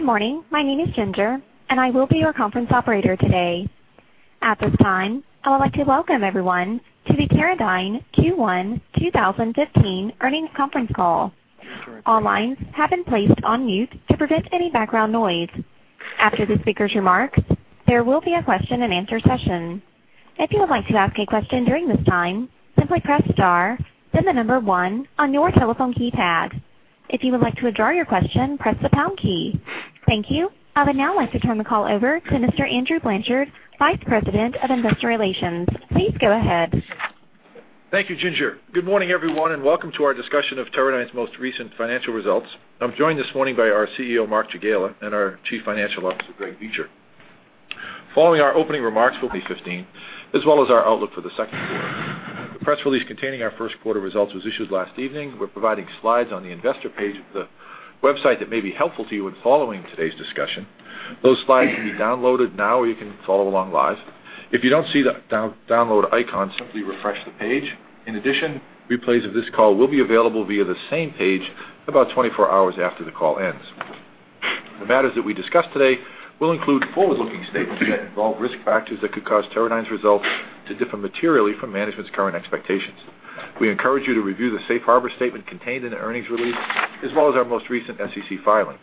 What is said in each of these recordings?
Good morning. My name is Ginger, and I will be your conference operator today. At this time, I would like to welcome everyone to the Teradyne Q1 2015 Earnings Conference Call. All lines have been placed on mute to prevent any background noise. After the speaker's remarks, there will be a question and answer session. If you would like to ask a question during this time, simply press star, then the number one on your telephone keypad. If you would like to withdraw your question, press the pound key. Thank you. I would now like to turn the call over to Mr. Andy Blanchard, Vice President of Investor Relations. Please go ahead. Thank you, Ginger. Good morning, everyone, and welcome to our discussion of Teradyne's most recent financial results. I am joined this morning by our CEO, Mark Jagiela, and our Chief Financial Officer, Greg Beecher. Following our opening remarks will be 15, as well as our outlook for the second quarter. The press release containing our first quarter results was issued last evening. We are providing slides on the investor page of the website that may be helpful to you in following today's discussion. Those slides can be downloaded now, or you can follow along live. If you do not see the download icon, simply refresh the page. In addition, replays of this call will be available via the same page about 24 hours after the call ends. The matters that we discuss today will include forward-looking statements that involve risk factors that could cause Teradyne's results to differ materially from management's current expectations. We encourage you to review the safe harbor statement contained in the earnings release, as well as our most recent SEC filings,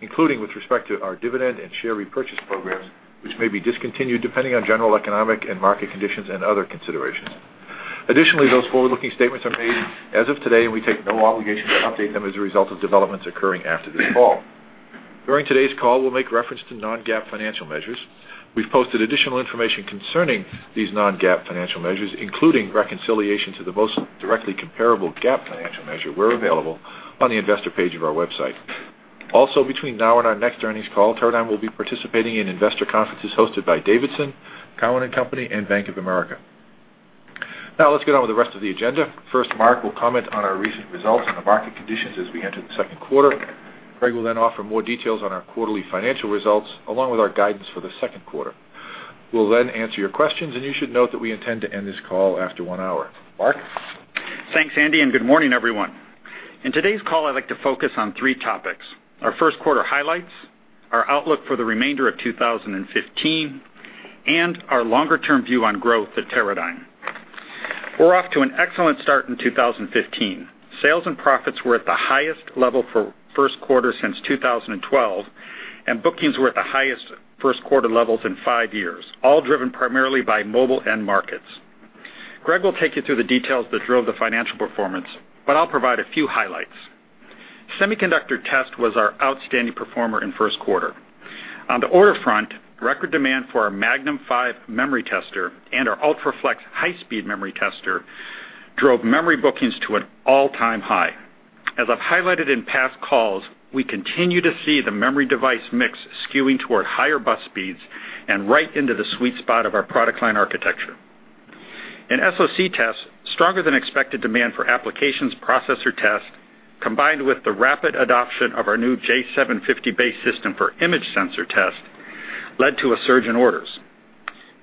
including with respect to our dividend and share repurchase programs, which may be discontinued depending on general economic and market conditions and other considerations. Additionally, those forward-looking statements are made as of today. We take no obligation to update them as a result of developments occurring after this call. During today's call, we will make reference to non-GAAP financial measures. We have posted additional information concerning these non-GAAP financial measures, including reconciliation to the most directly comparable GAAP financial measure where available on the investor page of our website. Between now and our next earnings call, Teradyne will be participating in investor conferences hosted by D.A. Davidson, Cowen and Company, and Bank of America. Let's get on with the rest of the agenda. First, Mark will comment on our recent results and the market conditions as we enter the second quarter. Greg will offer more details on our quarterly financial results, along with our guidance for the second quarter. We will answer your questions. You should note that we intend to end this call after one hour. Mark? Thanks, Andy, and good morning, everyone. In today's call, I would like to focus on three topics: our first quarter highlights, our outlook for the remainder of 2015, and our longer-term view on growth at Teradyne. We are off to an excellent start in 2015. Sales and profits were at the highest level for first quarter since 2012, and bookings were at the highest first quarter levels in five years, all driven primarily by mobile end markets. Greg will take you through the details that drove the financial performance, but I will provide a few highlights. Semiconductor Test was our outstanding performer in first quarter. On the order front, record demand for our Magnum V memory tester and our UltraFLEX high-speed memory tester drove memory bookings to an all-time high. As I have highlighted in past calls, we continue to see the memory device mix skewing toward higher bus speeds and right into the sweet spot of our product line architecture. In SOC Test, stronger than expected demand for applications processor test, combined with the rapid adoption of our new J750-based system for image sensor test, led to a surge in orders.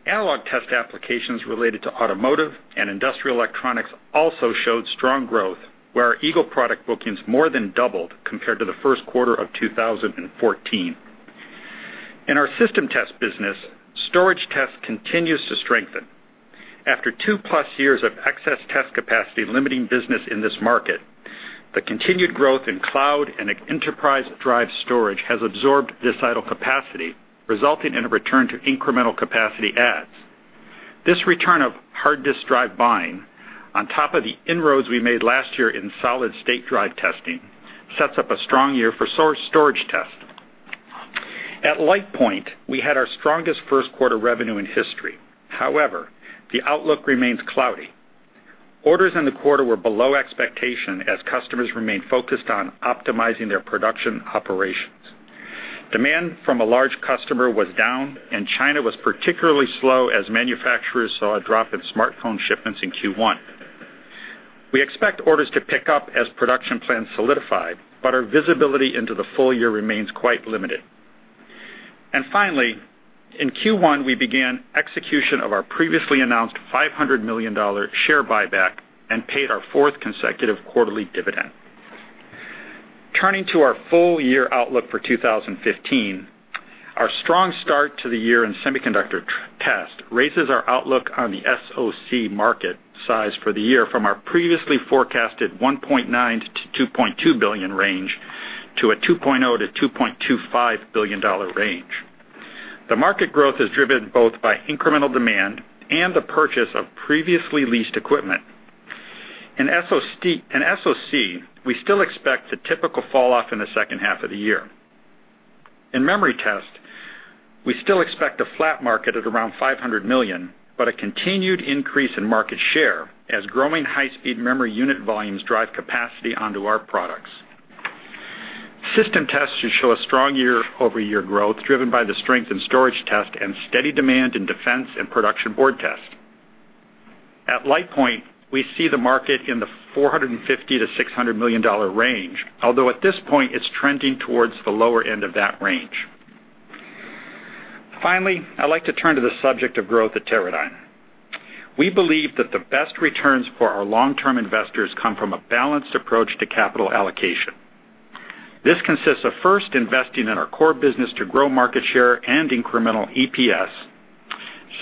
Analog test applications related to automotive and industrial electronics also showed strong growth, where our Eagle product bookings more than doubled compared to the first quarter of 2014. In our System Test business, storage test continues to strengthen. After two-plus years of excess test capacity limiting business in this market, the continued growth in cloud and enterprise drive storage has absorbed this idle capacity, resulting in a return to incremental capacity adds. This return of hard disk drive buying, on top of the inroads we made last year in solid-state drive testing, sets up a strong year for storage test. At LitePoint, we had our strongest first quarter revenue in history. However, the outlook remains cloudy. Orders in the quarter were below expectation as customers remained focused on optimizing their production operations. Demand from a large customer was down, and China was particularly slow as manufacturers saw a drop in smartphone shipments in Q1. We expect orders to pick up as production plans solidify, but our visibility into the full year remains quite limited. Finally, in Q1, we began execution of our previously announced $500 million share buyback and paid our fourth consecutive quarterly dividend. Turning to our full year outlook for 2015, our strong start to the year in Semiconductor Test raises our outlook on the SOC market size for the year from our previously forecasted $1.9 billion-$2.2 billion range to a $2.0 billion-$2.25 billion range. The market growth is driven both by incremental demand and the purchase of previously leased equipment. In SOC, we still expect the typical fall off in the second half of the year. In Memory Test, we still expect a flat market at around $500 million, but a continued increase in market share as growing high-speed memory unit volumes drive capacity onto our products. System Test should show a strong year-over-year growth, driven by the strength in storage test and steady demand in defense and production board test. At LitePoint, we see the market in the $450 million-$600 million range, although at this point, it's trending towards the lower end of that range. Finally, I'd like to turn to the subject of growth at Teradyne. We believe that the best returns for our long-term investors come from a balanced approach to capital allocation. This consists of first investing in our core business to grow market share and incremental EPS.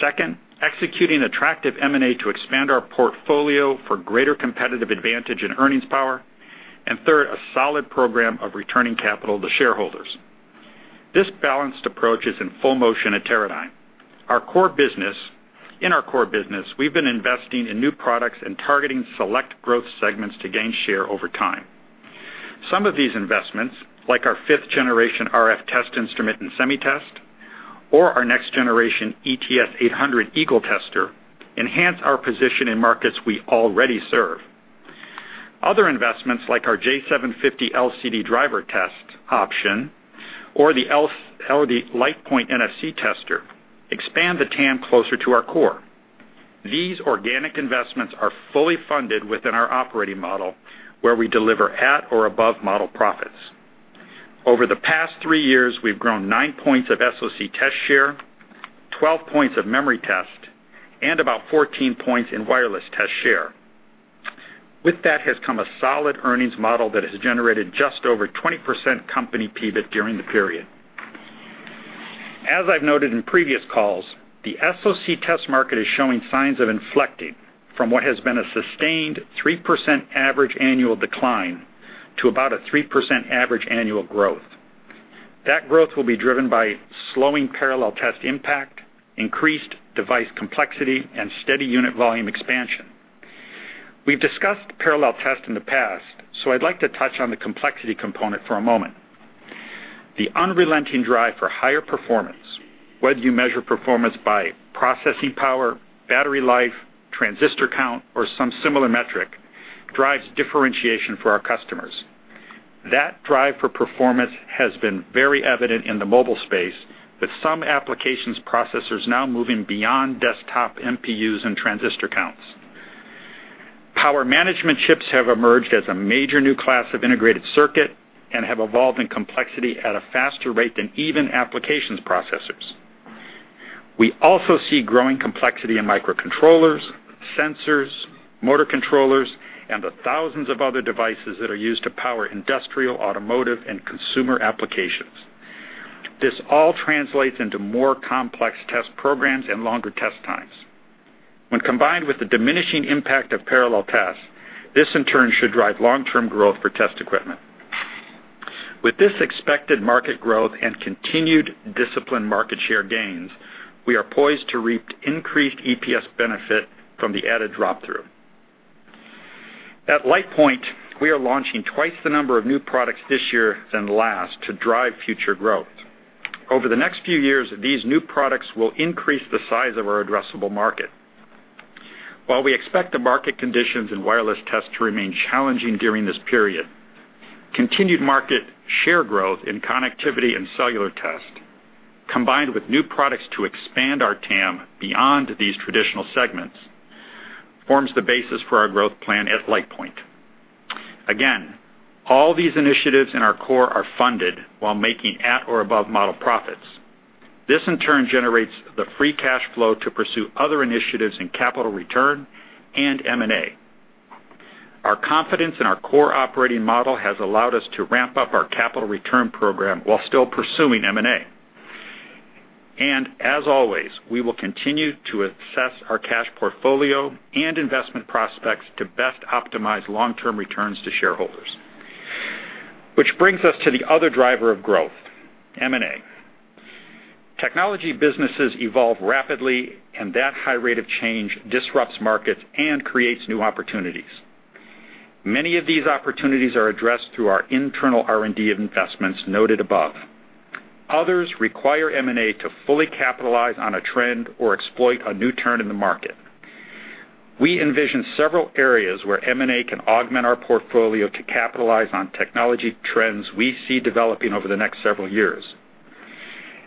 Second, executing attractive M&A to expand our portfolio for greater competitive advantage and earnings power. Third, a solid program of returning capital to shareholders. This balanced approach is in full motion at Teradyne. In our core business, we've been investing in new products and targeting select growth segments to gain share over time. Some of these investments, like our 5th-generation RF test instrument in SemiTest, or our next-generation ETS-800 Eagle tester, enhance our position in markets we already serve. Other investments, like our J750 LCD driver test option or the LitePoint NFC tester, expand the TAM closer to our core. These organic investments are fully funded within our operating model, where we deliver at or above model profits. Over the past three years, we've grown 9 points of SoC Test share, 12 points of memory test, and about 14 points in wireless test share. With that has come a solid earnings model that has generated just over 20% company PBIT during the period. As I've noted in previous calls, the SoC Test market is showing signs of inflecting from what has been a sustained 3% average annual decline to about a 3% average annual growth. That growth will be driven by slowing parallel test impact, increased device complexity, and steady unit volume expansion. We've discussed parallel test in the past, so I'd like to touch on the complexity component for a moment. The unrelenting drive for higher performance, whether you measure performance by processing power, battery life, transistor count, or some similar metric, drives differentiation for our customers. That drive for performance has been very evident in the mobile space, with some applications processors now moving beyond desktop MPUs and transistor counts. Power management chips have emerged as a major new class of integrated circuit and have evolved in complexity at a faster rate than even applications processors. We also see growing complexity in microcontrollers, sensors, motor controllers, and the thousands of other devices that are used to power industrial, automotive, and consumer applications. This all translates into more complex test programs and longer test times. When combined with the diminishing impact of parallel tests, this, in turn, should drive long-term growth for test equipment. With this expected market growth and continued disciplined market share gains, we are poised to reap increased EPS benefit from the added drop-through. At LitePoint, we are launching twice the number of new products this year than last to drive future growth. Over the next few years, these new products will increase the size of our addressable market. While we expect the market conditions in wireless tests to remain challenging during this period, continued market share growth in connectivity and cellular test, combined with new products to expand our TAM beyond these traditional segments, forms the basis for our growth plan at LitePoint. Again, all these initiatives in our core are funded while making at or above model profits. This, in turn, generates the free cash flow to pursue other initiatives in capital return and M&A. Our confidence in our core operating model has allowed us to ramp up our capital return program while still pursuing M&A. As always, we will continue to assess our cash portfolio and investment prospects to best optimize long-term returns to shareholders, which brings us to the other driver of growth, M&A. Technology businesses evolve rapidly, and that high rate of change disrupts markets and creates new opportunities. Many of these opportunities are addressed through our internal R&D investments noted above. Others require M&A to fully capitalize on a trend or exploit a new turn in the market. We envision several areas where M&A can augment our portfolio to capitalize on technology trends we see developing over the next several years.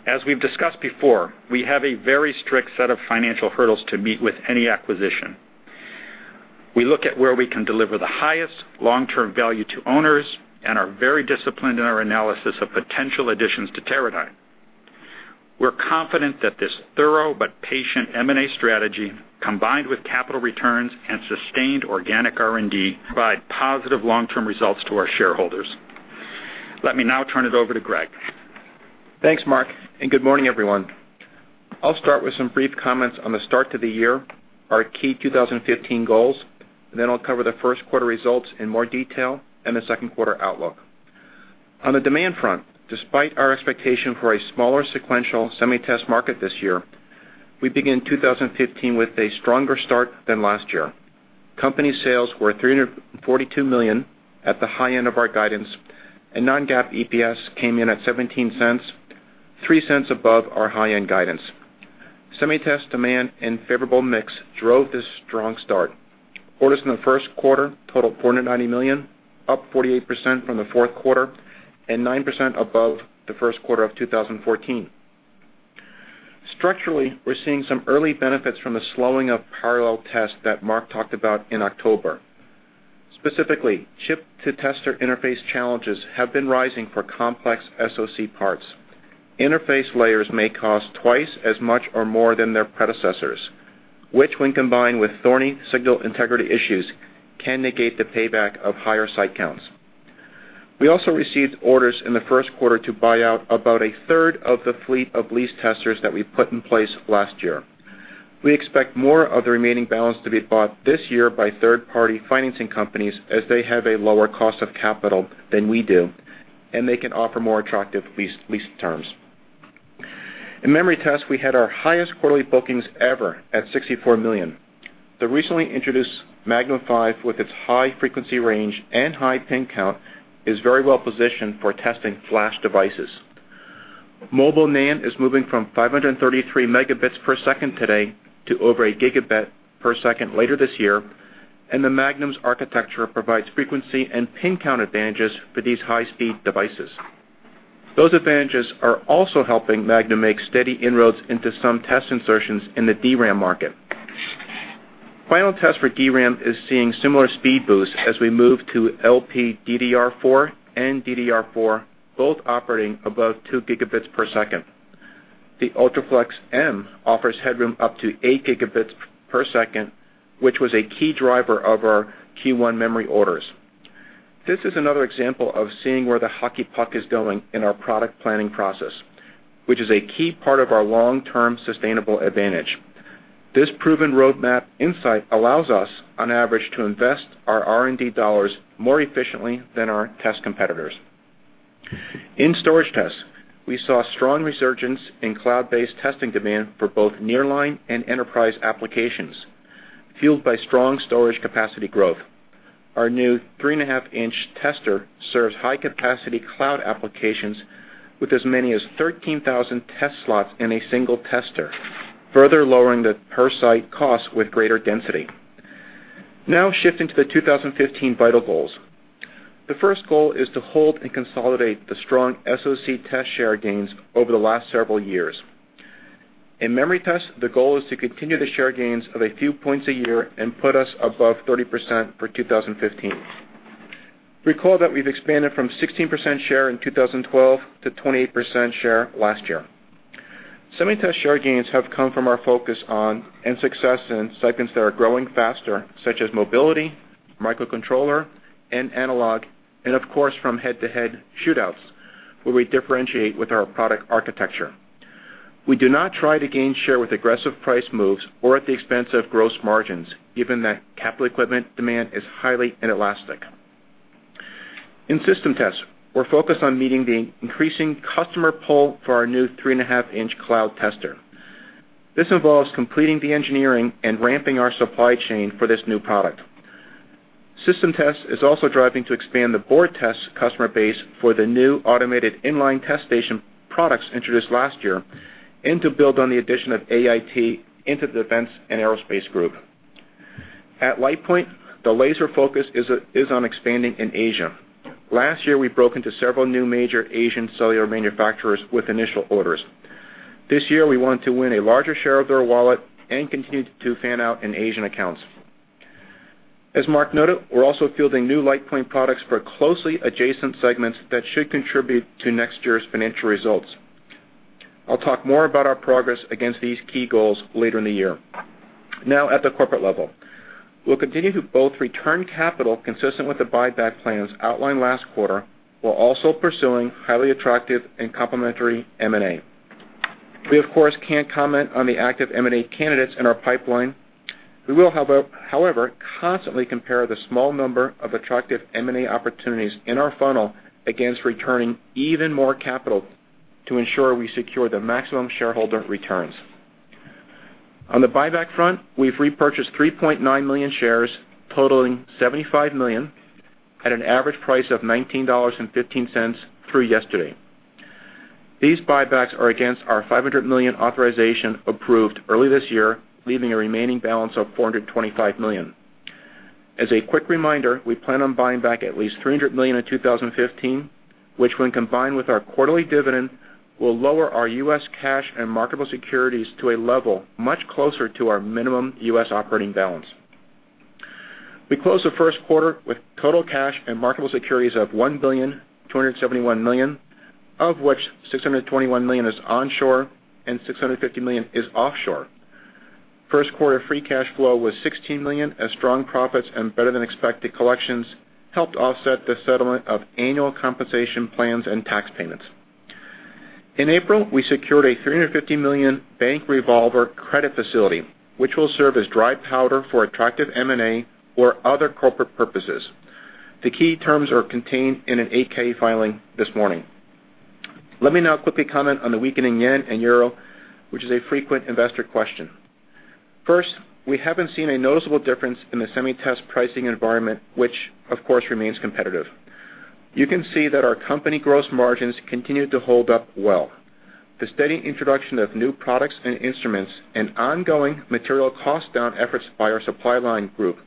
As we've discussed before, we have a very strict set of financial hurdles to meet with any acquisition. We look at where we can deliver the highest long-term value to owners and are very disciplined in our analysis of potential additions to Teradyne. We're confident that this thorough but patient M&A strategy, combined with capital returns and sustained organic R&D, provide positive long-term results to our shareholders. Let me now turn it over to Greg. Thanks, Mark, and good morning, everyone. I'll start with some brief comments on the start to the year, our key 2015 goals, then I'll cover the first quarter results in more detail and the second quarter outlook. On the demand front, despite our expectation for a smaller sequential SemiTest market this year, we began 2015 with a stronger start than last year. Company sales were $342 million at the high end of our guidance, and non-GAAP EPS came in at $0.17, $0.03 above our high-end guidance. SemiTest demand and favorable mix drove this strong start. Orders in the first quarter totaled $490 million, up 48% from the fourth quarter and 9% above the first quarter of 2014. Structurally, we're seeing some early benefits from the slowing of parallel tests that Mark talked about in October. Specifically, chip-to-tester interface challenges have been rising for complex SOC parts. Interface layers may cost twice as much or more than their predecessors, which when combined with thorny signal integrity issues, can negate the payback of higher site counts. We also received orders in the first quarter to buy out about a third of the fleet of lease testers that we put in place last year. We expect more of the remaining balance to be bought this year by third-party financing companies, as they have a lower cost of capital than we do, and they can offer more attractive lease terms. In memory test, we had our highest quarterly bookings ever at $64 million. The recently introduced Magnum V, with its high frequency range and high pin count, is very well positioned for testing flash devices. Mobile NAND is moving from 533 megabits per second today to over a gigabit per second later this year, and the Magnum architecture provides frequency and pin count advantages for these high-speed devices. Those advantages are also helping Magnum make steady inroads into some test insertions in the DRAM market. Final test for DRAM is seeing similar speed boosts as we move to LPDDR4 and DDR4, both operating above 2 gigabits per second. The UltraFLEX M offers headroom up to 8 gigabits per second, which was a key driver of our Q1 memory orders. This is another example of seeing where the hockey puck is going in our product planning process, which is a key part of our long-term sustainable advantage. This proven roadmap insight allows us, on average, to invest our R&D dollars more efficiently than our test competitors. In storage test, we saw strong resurgence in cloud-based testing demand for both nearline and enterprise applications, fueled by strong storage capacity growth. Our new 3.5-inch tester serves high-capacity cloud applications with as many as 13,000 test slots in a single tester, further lowering the per site cost with greater density. Shifting to the 2015 vital goals. The first goal is to hold and consolidate the strong SoC Test share gains over the last several years. In memory test, the goal is to continue the share gains of a few points a year and put us above 30% for 2015. Recall that we've expanded from 16% share in 2012 to 28% share last year. SemiTest share gains have come from our focus on and success in segments that are growing faster, such as mobility, microcontroller, and analog, and of course, from head-to-head shootouts where we differentiate with our product architecture. We do not try to gain share with aggressive price moves or at the expense of gross margins, given that capital equipment demand is highly inelastic. In System Test, we're focused on meeting the increasing customer pull for our new 3.5-inch cloud tester. This involves completing the engineering and ramping our supply chain for this new product. System Test is also driving to expand the board test customer base for the new automated in-line test station products introduced last year, and to build on the addition of AIT into the defense and aerospace group. At LitePoint, the laser focus is on expanding in Asia. Last year, we broke into several new major Asian cellular manufacturers with initial orders. This year, we want to win a larger share of their wallet and continue to fan out in Asian accounts. As Mark noted, we're also fielding new LitePoint products for closely adjacent segments that should contribute to next year's financial results. I'll talk more about our progress against these key goals later in the year. At the corporate level. We'll continue to both return capital consistent with the buyback plans outlined last quarter, while also pursuing highly attractive and complementary M&A. We, of course, can't comment on the active M&A candidates in our pipeline. We will, however, constantly compare the small number of attractive M&A opportunities in our funnel against returning even more capital to ensure we secure the maximum shareholder returns. On the buyback front, we've repurchased 3.9 million shares totaling $75 million at an average price of $19.15 through yesterday. These buybacks are against our $500 million authorization approved early this year, leaving a remaining balance of $425 million. As a quick reminder, we plan on buying back at least $300 million in 2015, which when combined with our quarterly dividend, will lower our U.S. cash and marketable securities to a level much closer to our minimum U.S. operating balance. We closed the first quarter with total cash and marketable securities of $1.271 billion, of which $621 million is onshore and $650 million is offshore. First quarter free cash flow was $16 million, as strong profits and better-than-expected collections helped offset the settlement of annual compensation plans and tax payments. In April, we secured a $350 million bank revolver credit facility, which will serve as dry powder for attractive M&A or other corporate purposes. The key terms are contained in an 8-K filing this morning. Let me now quickly comment on the weakening yen and euro, which is a frequent investor question. First, we haven't seen a noticeable difference in the SemiTest pricing environment, which of course remains competitive. You can see that our company gross margins continue to hold up well. The steady introduction of new products and instruments and ongoing material cost down efforts by our supply line group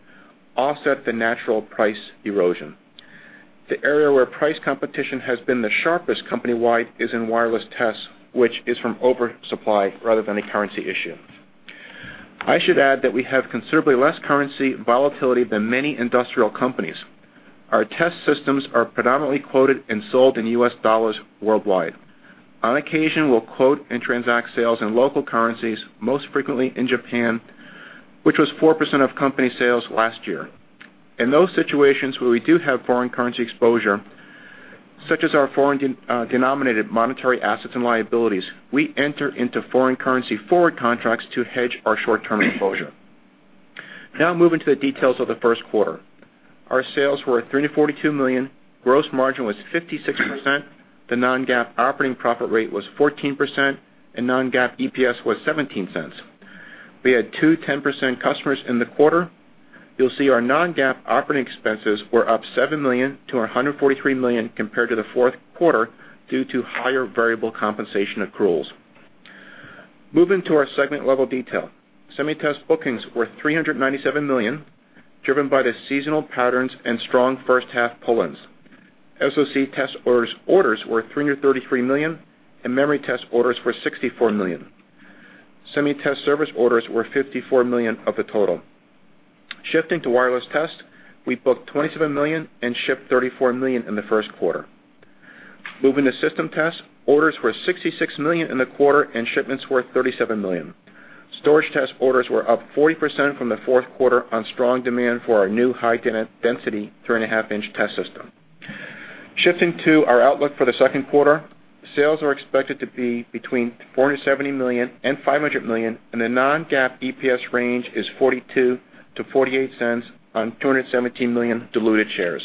offset the natural price erosion. The area where price competition has been the sharpest company-wide is in wireless tests, which is from oversupply rather than a currency issue. I should add that we have considerably less currency volatility than many industrial companies. Our test systems are predominantly quoted and sold in U.S. dollars worldwide. On occasion, we'll quote and transact sales in local currencies, most frequently in Japan, which was 4% of company sales last year. In those situations where we do have foreign currency exposure, such as our foreign-denominated monetary assets and liabilities, we enter into foreign currency forward contracts to hedge our short-term exposure. Moving to the details of the first quarter. Our sales were $342 million, gross margin was 56%, the non-GAAP operating profit rate was 14%, and non-GAAP EPS was $0.17. We had two 10% customers in the quarter. Our non-GAAP operating expenses were up $7 million to $143 million compared to the fourth quarter due to higher variable compensation accruals. Moving to our segment-level detail. SemiTest bookings were $397 million, driven by the seasonal patterns and strong first-half pull-ins. SoC Test orders were $333 million, and memory test orders were $64 million. SemiTest service orders were $54 million of the total. Shifting to wireless test, we booked $27 million and shipped $34 million in the first quarter. Moving to System Test, orders were $66 million in the quarter, and shipments were $37 million. Storage test orders were up 40% from the fourth quarter on strong demand for our new high-density three-and-a-half-inch test system. Shifting to our outlook for the second quarter, sales are expected to be between $470 million and $500 million, and the non-GAAP EPS range is $0.42 to $0.48 on 217 million diluted shares.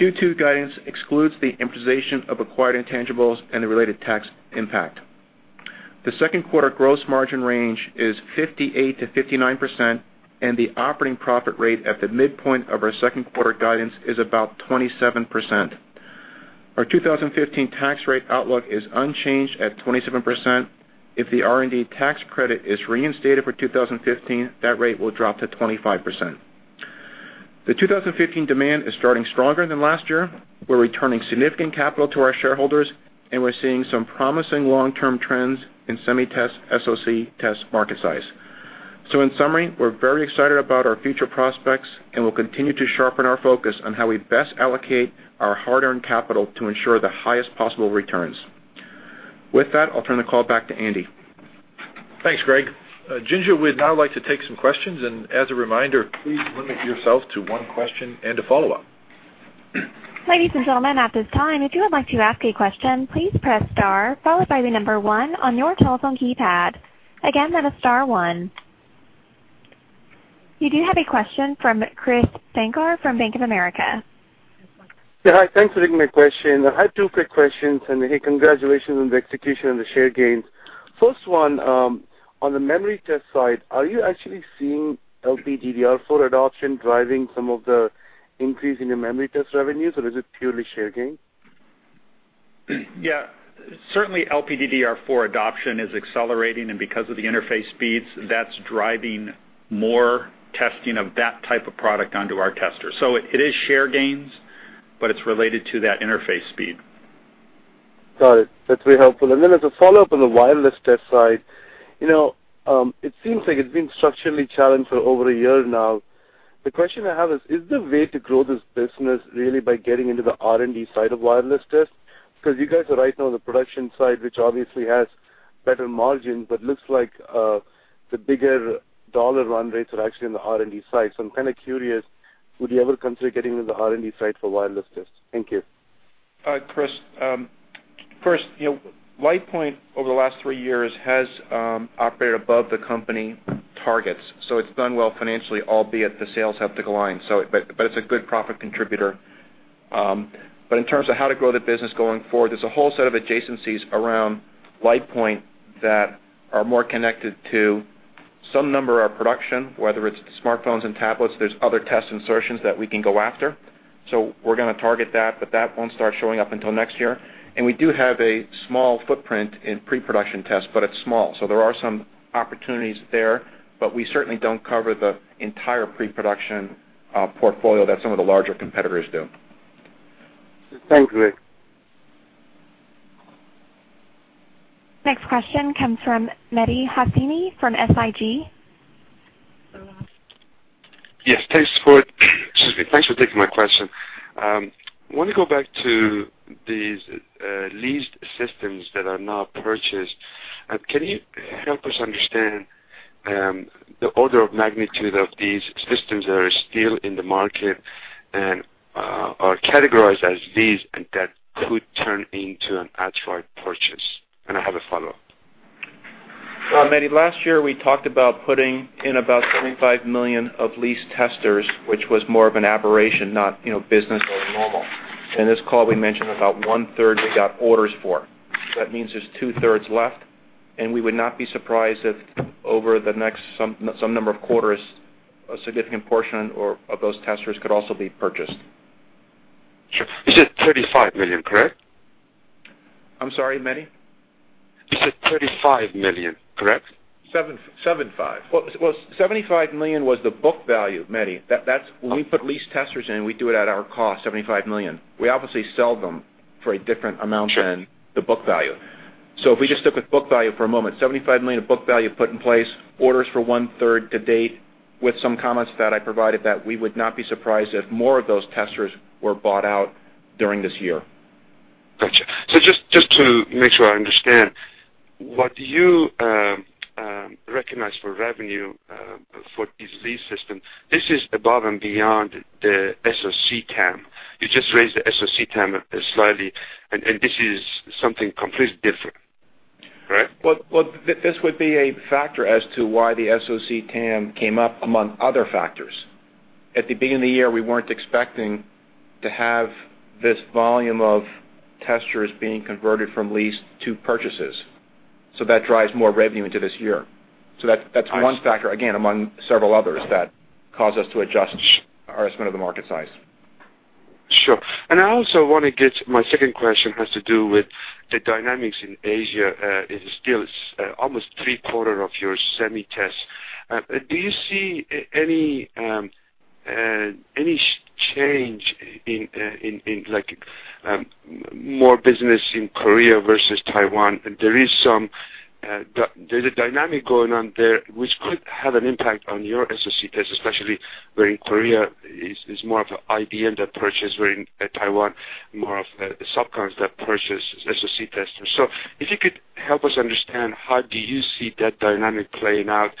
Q2 guidance excludes the amortization of acquired intangibles and the related tax impact. The second quarter gross margin range is 58%-59%, and the operating profit rate at the midpoint of our second-quarter guidance is about 27%. Our 2015 tax rate outlook is unchanged at 27%. If the R&D tax credit is reinstated for 2015, that rate will drop to 25%. The 2015 demand is starting stronger than last year. We're returning significant capital to our shareholders, and we're seeing some promising long-term trends in SemiTest, SoC Test market size. In summary, we're very excited about our future prospects, and we'll continue to sharpen our focus on how we best allocate our hard-earned capital to ensure the highest possible returns. With that, I'll turn the call back to Andy. Thanks, Greg. Ginger would now like to take some questions, and as a reminder, please limit yourself to one question and a follow-up. Ladies and gentlemen, at this time, if you would like to ask a question, please press star followed by the number one on your telephone keypad. Again, that is star one. You do have a question from Krish Sankar from Bank of America. Yeah, hi. Thanks for taking my question. I have two quick questions. Hey, congratulations on the execution and the share gains. First one, on the memory test side, are you actually seeing LPDDR4 adoption driving some of the increase in your memory test revenues, or is it purely share gains? Yeah. Certainly, LPDDR4 adoption is accelerating. Because of the interface speeds, that's driving more testing of that type of product onto our testers. It is share gains, but it's related to that interface speed. Got it. That's very helpful. Then as a follow-up on the wireless test side, it seems like it's been structurally challenged for over a year now. The question I have is the way to grow this business really by getting into the R&D side of wireless test? You guys are right on the production side, which obviously has better margins, but looks like the bigger dollar run rates are actually in the R&D side. I'm kind of curious, would you ever consider getting into the R&D side for wireless tests? Thank you. Krish. First, LitePoint, over the last three years, has operated above the company targets. It's done well financially, albeit the sales have declined, but it's a good profit contributor. In terms of how to grow the business going forward, there's a whole set of adjacencies around LitePoint that are more connected to some number of our production, whether it's smartphones and tablets, there's other test insertions that we can go after. We're going to target that, but that won't start showing up until next year. We do have a small footprint in pre-production tests, but it's small. There are some opportunities there, but we certainly don't cover the entire pre-production portfolio that some of the larger competitors do. Thanks, Greg. Next question comes from Mehdi Hosseini from SIG. Yes, thanks for taking my question. I want to go back to these leased systems that are now purchased. Can you help us understand the order of magnitude of these systems that are still in the market and are categorized as leased and that could turn into an outright purchase? I have a follow-up. Mehdi, last year, we talked about putting in about $75 million of leased testers, which was more of an aberration, not business as usual. In this call, we mentioned about one-third we got orders for. That means there's two-thirds left, we would not be surprised if over the next some number of quarters, a significant portion of those testers could also be purchased. Sure. You said $35 million, correct? I'm sorry, Mehdi? You said $35 million, correct? $75. Well, $75 million was the book value, Mehdi. When we put lease testers in, we do it at our cost, $75 million. We obviously sell them for a different amount than the book value. If we just took the book value for a moment, $75 million of book value put in place, orders for one-third to date with some comments that I provided that we would not be surprised if more of those testers were bought out during this year. Got you. Just to make sure I understand, what you recognize for revenue for these lease systems, this is above and beyond the SoC TAM. You just raised the SoC TAM slightly, and this is something completely different, correct? Well, this would be a factor as to why the SoC TAM came up among other factors. At the beginning of the year, we weren't expecting to have this volume of testers being converted from lease to purchases. That drives more revenue into this year. That's one factor, again, among several others that cause us to adjust our estimate of the market size. Sure. I also want to get, my second question has to do with the dynamics in Asia. It still is almost three-quarter of your SemiTest. Do you see any change in more business in Korea versus Taiwan? There is a dynamic going on there which could have an impact on your SoC Test, especially where in Korea is more of an IDM that purchase, where in Taiwan, more of a subcons that purchase SoC Testers. If you could help us understand how do you see that dynamic playing out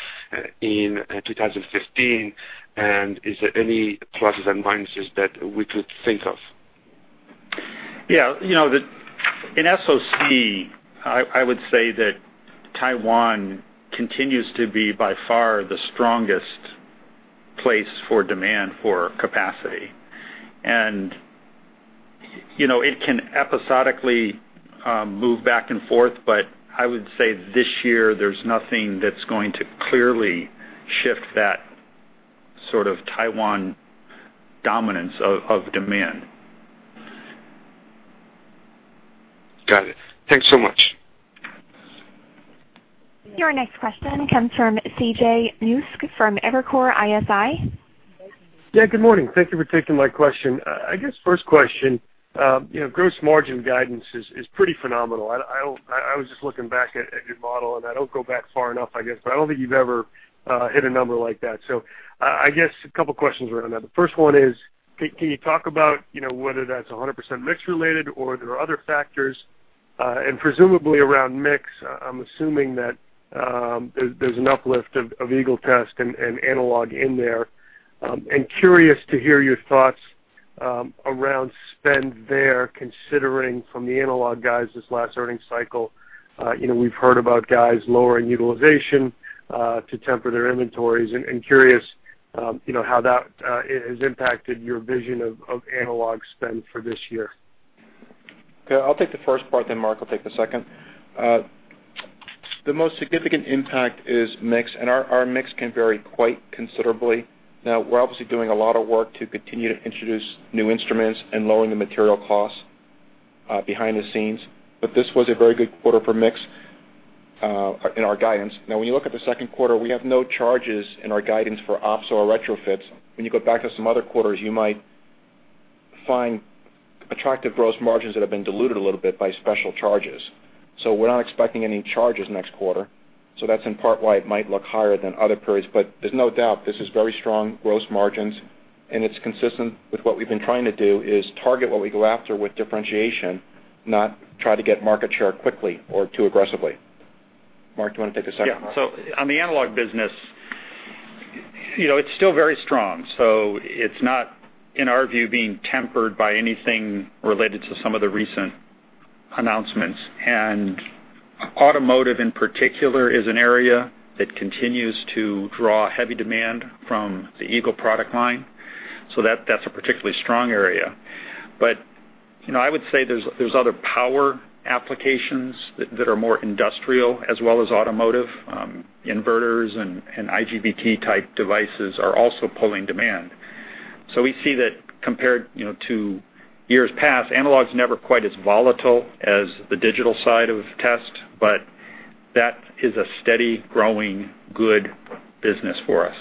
in 2015, and is there any pluses and minuses that we could think of? Yeah. In SoC, I would say that Taiwan continues to be by far the strongest place for demand for capacity. It can episodically move back and forth, but I would say this year, there's nothing that's going to clearly shift that Taiwan dominance of demand. Got it. Thanks so much. Your next question comes from C.J. Muse from Evercore ISI. Yeah, good morning. Thank you for taking my question. I guess first question, gross margin guidance is pretty phenomenal. I was just looking back at your model, and I don't go back far enough, I guess, but I don't think you've ever hit a number like that. I guess a couple questions around that. The first one is, can you talk about whether that's 100% mix-related or there are other factors? Presumably around mix, I'm assuming that there's an uplift of Eagle test and analog in there. Curious to hear your thoughts around spend there, considering from the analog guys this last earnings cycle, we've heard about guys lowering utilization to temper their inventories, and curious how that has impacted your vision of analog spend for this year. Okay, I'll take the first part, then Mark will take the second. The most significant impact is mix, and our mix can vary quite considerably. We're obviously doing a lot of work to continue to introduce new instruments and lowering the material costs behind the scenes. This was a very good quarter for mix in our guidance. When you look at the second quarter, we have no charges in our guidance for ops or retrofits. When you go back to some other quarters, you might find attractive gross margins that have been diluted a little bit by special charges. We're not expecting any charges next quarter. That's in part why it might look higher than other periods. There's no doubt this is very strong gross margins, and it's consistent with what we've been trying to do, is target what we go after with differentiation, not try to get market share quickly or too aggressively. Mark, do you want to take the second part? On the analog business, it's still very strong. It's not, in our view, being tempered by anything related to some of the recent announcements. Automotive, in particular, is an area that continues to draw heavy demand from the Eagle product line. That's a particularly strong area. I would say there's other power applications that are more industrial as well as automotive. Inverters and IGBT-type devices are also pulling demand. We see that compared to years past, analog's never quite as volatile as the digital side of test, but that is a steady, growing good business for us.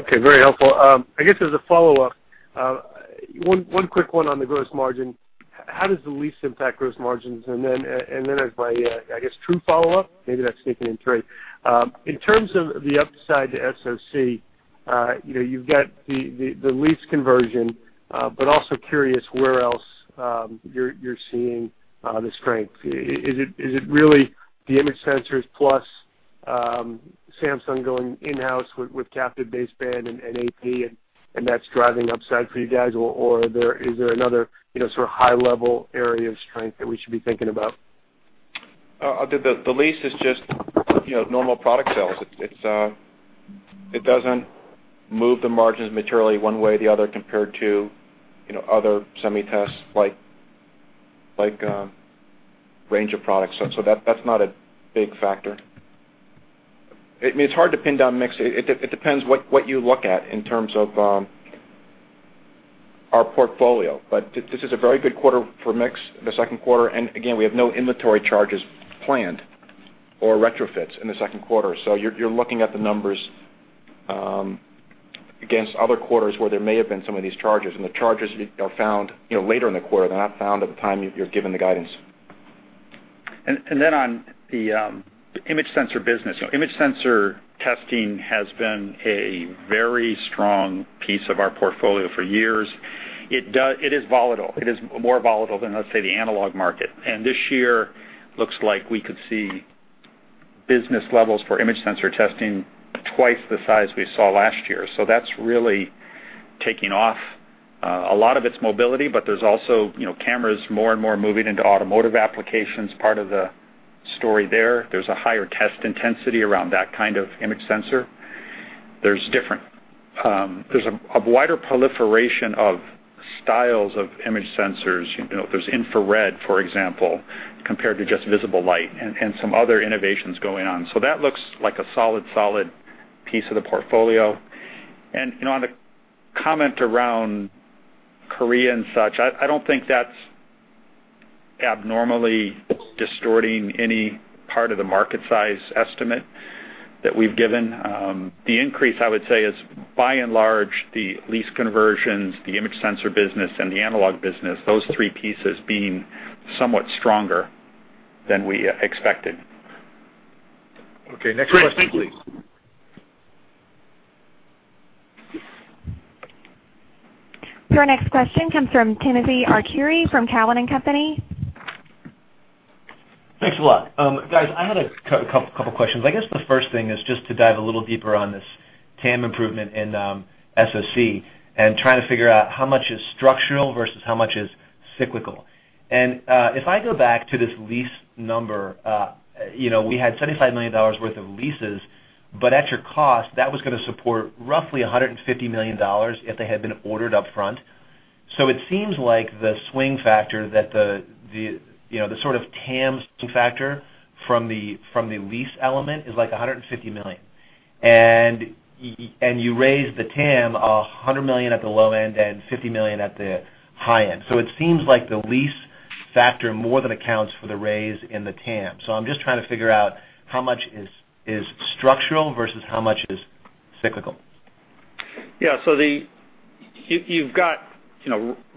Okay. Very helpful. I guess as a follow-up, one quick one on the gross margin. How does the lease impact gross margins? As my, I guess, true follow-up, maybe that's sneaking in trade. In terms of the upside to SoC, you've got the lease conversion, but also curious where else you're seeing the strength. Is it really the image sensors plus Samsung going in-house with captive baseband and AP, and that's driving upside for you guys? Or is there another sort of high-level area of strength that we should be thinking about? I'll do that. The lease is just normal product sales. It doesn't move the margins materially one way or the other compared to other SemiTest range of products. That's not a big factor. It's hard to pin down mix. It depends what you look at in terms of our portfolio, but this is a very good quarter for mix, the second quarter, and again, we have no inventory charges planned or retrofits in the second quarter. You're looking at the numbers against other quarters where there may have been some of these charges, and the charges are found later in the quarter. They're not found at the time you're given the guidance. On the image sensor business, image sensor testing has been a very strong piece of our portfolio for years. It is volatile. It is more volatile than, let's say, the analog market. This year looks like we could see business levels for image sensor testing twice the size we saw last year. That's really taking off. A lot of it's mobility, but there's also cameras more and more moving into automotive applications, part of the story there. There's a higher test intensity around that kind of image sensor. There's a wider proliferation of styles of image sensors. There's infrared, for example, compared to just visible light and some other innovations going on. That looks like a solid piece of the portfolio. On the comment around Korea and such, I don't think that's abnormally distorting any part of the market size estimate that we've given. The increase, I would say, is by and large, the lease conversions, the image sensor business, and the analog business, those three pieces being somewhat stronger than we expected. Okay, next question, please. Great. Thank you. Your next question comes from Timothy Arcuri from Cowen and Company. Thanks a lot. Guys, I had a couple of questions. I guess the first thing is just to dive a little deeper on this TAM improvement in SoC and trying to figure out how much is structural versus how much is cyclical. If I go back to this lease number, we had $75 million worth of leases, but at your cost, that was going to support roughly $150 million if they had been ordered upfront. It seems like the swing factor, the sort of TAM swing factor from the lease element is like $150 million. You raised the TAM $100 million at the low end and $50 million at the high end. It seems like the lease factor more than accounts for the raise in the TAM. I'm just trying to figure out how much is structural versus how much is cyclical. Yeah. You've got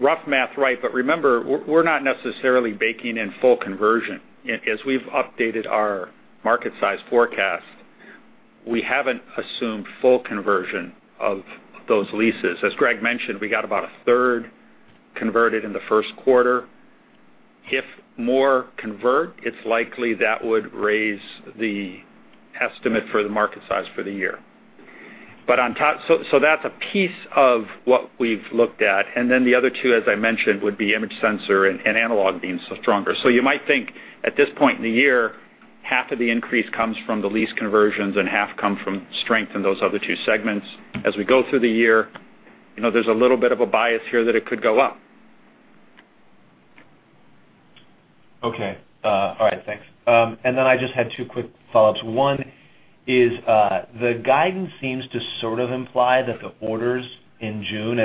rough math, right? Remember, we're not necessarily baking in full conversion. As we've updated our market size forecast, we haven't assumed full conversion of those leases. As Greg mentioned, we got about a third converted in the first quarter. If more convert, it's likely that would raise the estimate for the market size for the year. That's a piece of what we've looked at. Then the other two, as I mentioned, would be image sensor and analog being stronger. You might think at this point in the year, half of the increase comes from the lease conversions and half come from strength in those other two segments. As we go through the year, there's a little bit of a bias here that it could go up. Okay. All right, thanks. Then I just had two quick follow-ups. One is, the guidance seems to sort of imply that the orders in June,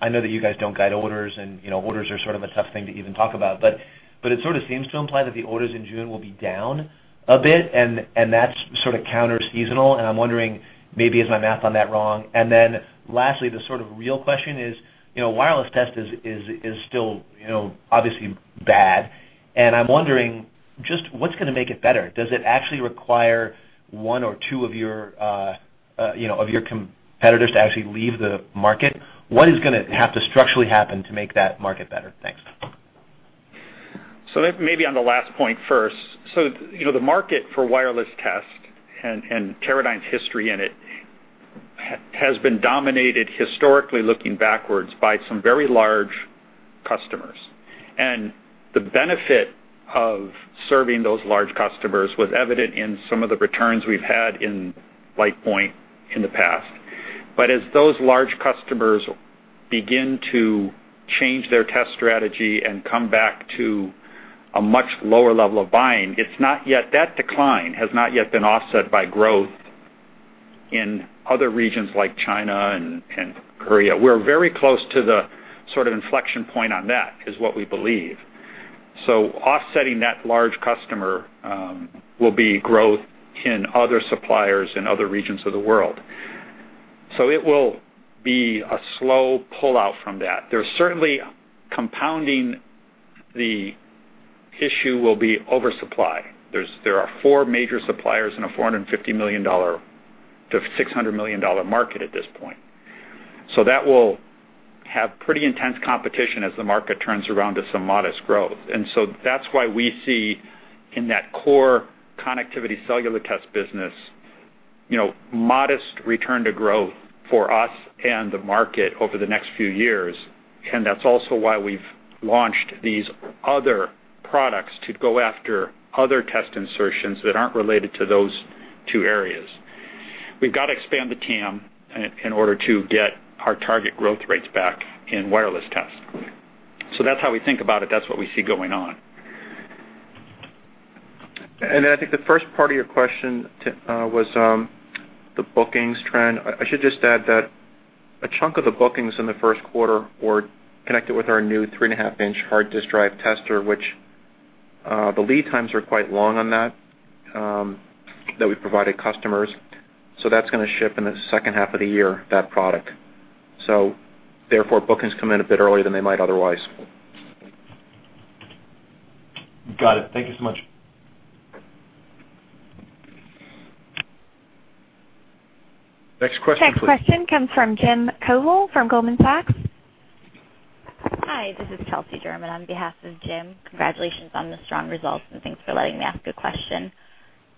I know that you guys don't guide orders and orders are sort of a tough thing to even talk about, it sort of seems to imply that the orders in June will be down a bit, that's sort of counter-seasonal, I'm wondering, maybe is my math on that wrong? Then lastly, the sort of real question is, wireless test is still obviously bad, I'm wondering just what's going to make it better? Does it actually require one or two of your competitors to actually leave the market? What is going to have to structurally happen to make that market better? Thanks. Maybe on the last point first. The market for wireless test and Teradyne's history in it has been dominated historically looking backwards by some very large customers. The benefit of serving those large customers was evident in some of the returns we've had in LitePoint in the past. As those large customers begin to change their test strategy and come back to a much lower level of buying, that decline has not yet been offset by growth in other regions like China and Korea. We're very close to the sort of inflection point on that, is what we believe. Offsetting that large customer will be growth in other suppliers in other regions of the world. It will be a slow pullout from that. Certainly compounding the issue will be oversupply. There are four major suppliers in a $450 million-$600 million market at this point. That will have pretty intense competition as the market turns around to some modest growth. That's why we see in that core connectivity cellular test business, modest return to growth for us and the market over the next few years, and that's also why we've launched these other products to go after other test insertions that aren't related to those two areas. We've got to expand the TAM in order to get our target growth rates back in wireless test. That's how we think about it. That's what we see going on. I think the first part of your question was the bookings trend. I should just add that a chunk of the bookings in the first quarter were connected with our new 3-and-a-half-inch hard disk drive tester, which the lead times are quite long on that we provided customers. That's going to ship in the second half of the year, that product. Therefore, bookings come in a bit earlier than they might otherwise. Got it. Thank you so much. Next question please. Next question comes from Jim Covello from Goldman Sachs. Hi, this is Chelsea German on behalf of Jim. Congratulations on the strong results, thanks for letting me ask a question.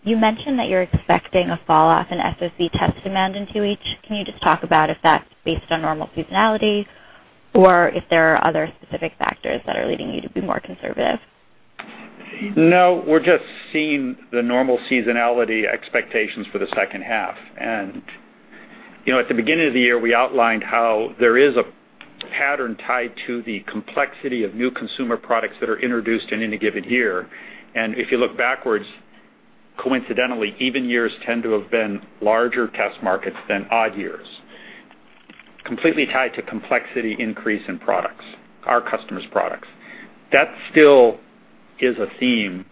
You mentioned that you're expecting a fall off in SOC Test demand in 2H. Can you just talk about if that's based on normal seasonality or if there are other specific factors that are leading you to be more conservative? No, we're just seeing the normal seasonality expectations for the second half. At the beginning of the year, we outlined how there is a pattern tied to the complexity of new consumer products that are introduced in any given year. If you look backwards, coincidentally, even years tend to have been larger test markets than odd years, completely tied to complexity increase in products, our customers' products. That still is a theme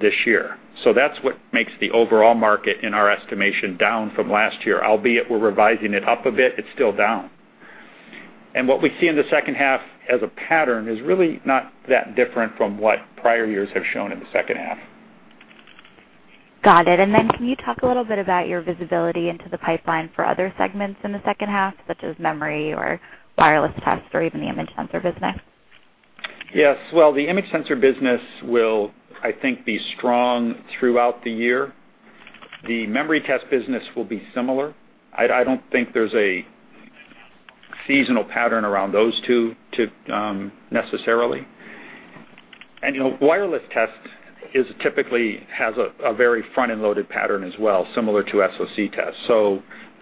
this year. That's what makes the overall market, in our estimation, down from last year. Albeit we're revising it up a bit, it's still down. What we see in the second half as a pattern is really not that different from what prior years have shown in the second half. Got it. Then can you talk a little bit about your visibility into the pipeline for other segments in the second half, such as memory or wireless test or even the image sensor business? Yes. Well, the image sensor business will, I think, be strong throughout the year. The memory test business will be similar. I don't think there's a seasonal pattern around those two necessarily. Wireless test typically has a very front-end loaded pattern as well, similar to SOC Test.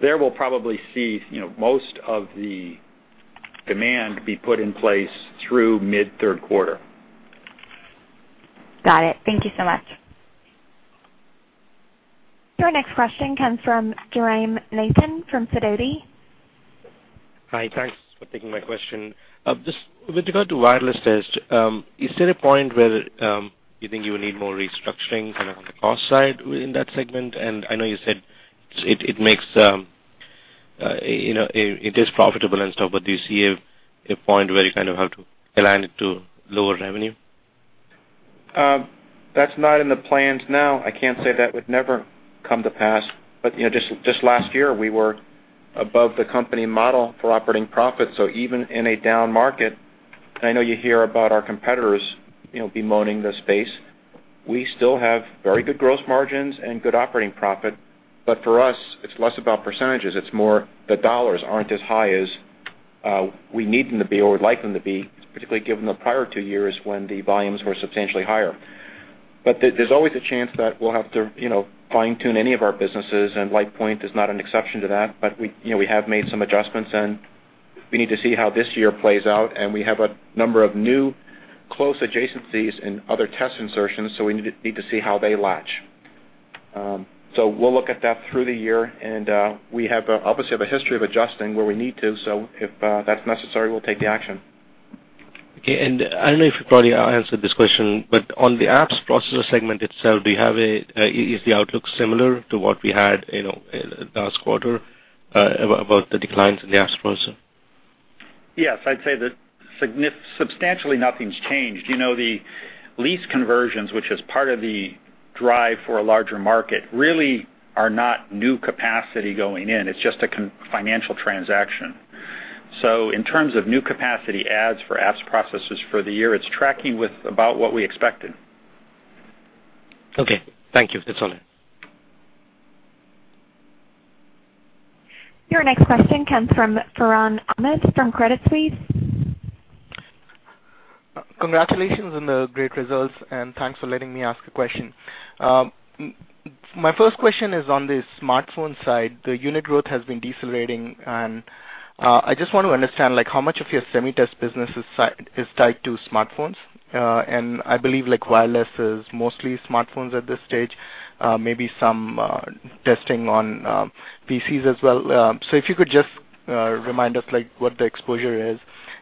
There we'll probably see most of the demand be put in place through mid-third quarter. Got it. Thank you so much. Your next question comes from Jairam Nathan from Sidoti. Hi. Thanks for taking my question. Just with regard to wireless test, is there a point where you think you will need more restructuring on the cost side within that segment? I know you said it is profitable and stuff, do you see a point where you kind of have to align it to lower revenue? That's not in the plans now. I can't say that would never come to pass. Just last year, we were above the company model for operating profits, so even in a down market, and I know you hear about our competitors bemoaning the space, we still have very good gross margins and good operating profit. For us, it's less about percentages, it's more the dollars aren't as high as we need them to be or would like them to be, particularly given the prior two years when the volumes were substantially higher. There's always a chance that we'll have to fine-tune any of our businesses, and LitePoint is not an exception to that. We have made some adjustments, and we need to see how this year plays out, and we have a number of new close adjacencies and other test insertions, so we need to see how they latch. We'll look at that through the year, and we obviously have a history of adjusting where we need to, so if that's necessary, we'll take the action. Okay. I don't know if you probably answered this question, but on the apps processor segment itself, is the outlook similar to what we had last quarter about the declines in the apps processor? Yes, I'd say that substantially nothing's changed. The lease conversions, which is part of the drive for a larger market, really are not new capacity going in. It's just a financial transaction. In terms of new capacity adds for apps processors for the year, it's tracking with about what we expected. Okay. Thank you. That's all then. Your next question comes from Farhan Ahmad from Credit Suisse. Congratulations on the great results, and thanks for letting me ask a question. My first question is on the smartphone side. The unit growth has been decelerating, and I just want to understand how much of your SemiTest business is tied to smartphones. I believe wireless is mostly smartphones at this stage, maybe some testing on PCs as well. If you could just remind us what the exposure is,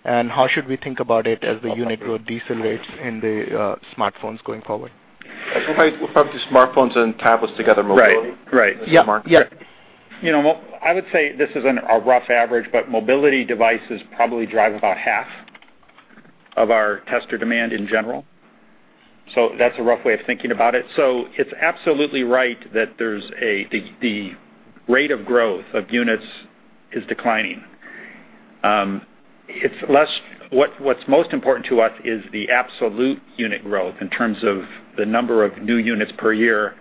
and how should we think about it as the unit growth decelerates in the smartphones going forward? We'll probably do smartphones and tablets together, mobility. Right. As a market. I would say this is a rough average, but mobility devices probably drive about half of our tester demand in general. That's a rough way of thinking about it. It's absolutely right that the rate of growth of units is declining. What's most important to us is the absolute unit growth in terms of the number of new units per year